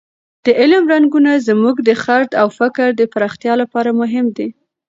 د علم رنګونه زموږ د خرد او فکر د پراختیا لپاره مهم دي.